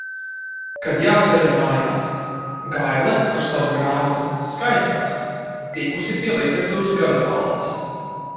Kad jāsēž mājās. Gaile ar savu grāmatu "Skaistās" tikusi pie Literatūras gada balvas.